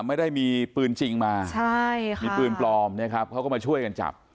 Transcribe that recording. ไม่ได้มีปืนจริงมาใช่ค่ะมีปืนปลอมเนี่ยครับเขาก็มาช่วยกันจับ